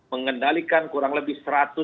mengendalikan kurang lebih